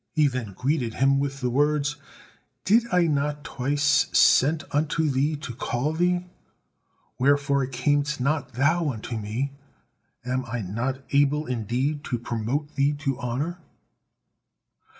He then greeted him with the words: "Did I not twice sent unto thee to call thee? Wherefore camest not thou unto me? Am I not able indeed to promote thee to honor?"